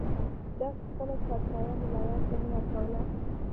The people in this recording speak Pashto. ده خپله سرسایه ملایانو ته نه ورکوله.